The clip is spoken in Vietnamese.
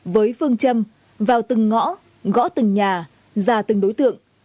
với phương châm vào từng ngõ gõ từng nhà ra từng đối tượng